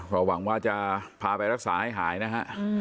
ก็หวังว่าจะพาไปรักษาให้หายนะฮะ